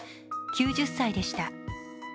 ９０歳でした。